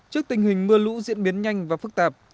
trước tình hình mưa lũ diễn biến nhanh và phức tạp